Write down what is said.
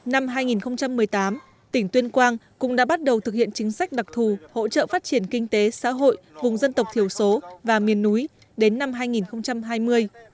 năm hai nghìn một mươi tám tỉnh tuyên quang cũng đã bắt đầu thực hiện chính sách đặc thù hỗ trợ phát triển kinh tế xã hội vùng dân tộc thiểu số và miền núi đến năm hai nghìn hai mươi